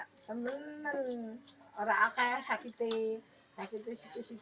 kan temen temen orang orang sakit sakit itu situ situ